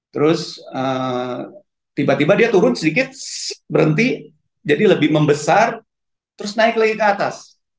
terus tiba tiba dia turun sedikit berhenti jadi lebih membesar terus naik lagi ke atas